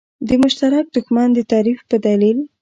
د مشترک دښمن د تعریف په دلیل.